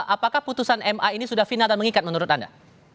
apakah putusan ma ini sudah final dan mengikat menurut anda